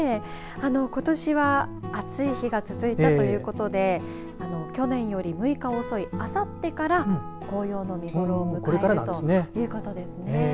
ことしは暑い日が続いたということで去年より６日遅いあさってから紅葉の見頃を迎えるということですね。